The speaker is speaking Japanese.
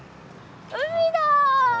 海だ！